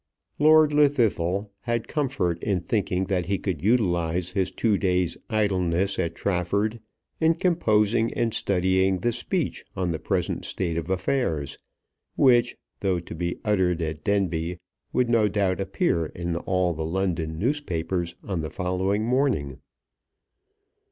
Lord Llwddythlw had comfort in thinking that he could utilize his two days' idleness at Trafford in composing and studying the speech on the present state of affairs, which, though to be uttered at Denbigh, would, no doubt, appear in all the London newspapers on the following morning.